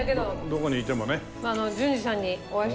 どこにいてもね。